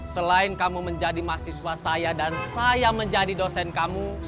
selain kamu menjadi mahasiswa saya dan saya menjadi dosen kamu